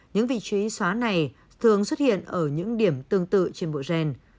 những vị trí xóa này thường xuất hiện ở những điểm tương tự trên bộ gen